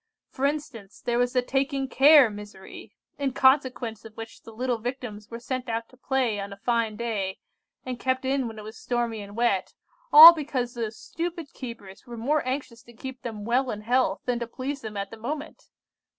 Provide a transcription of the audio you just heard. For instance, there was the taking care misery, in consequence of which the little Victims were sent out to play on a fine day, and kept in when it was stormy and wet, all because those stupid keepers were more anxious to keep them well in health than to please them at the moment.